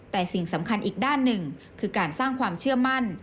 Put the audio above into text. แต่สิ่งสำคัญอีกด้านหนึ่งคือการสร้างความเชื่อมั่น